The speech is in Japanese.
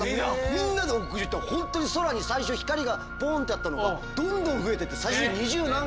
みんなで屋上行ったら本当に空に最初光がポンってあったのがどんどん増えていってえ！？